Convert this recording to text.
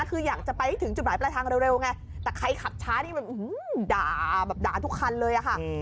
คืออยากจะไปถึงจุดหลายประทางเร็วไงแต่ใครขับช้าด่าทุกคันเลยค่ะ